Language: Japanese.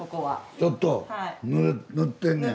ちょっと塗ってんねん。